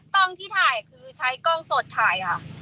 กล้องที่ถ่ายคือใช้กล้องสดถ่ายค่ะ